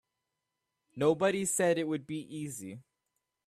Nobody said it would be easy.